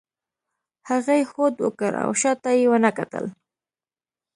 هغې هوډ وکړ او شا ته یې ونه کتل.